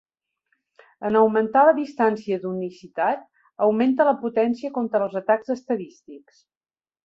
En augmentar la distància d'unicitat, augmenta la potència contra els atacs estadístics.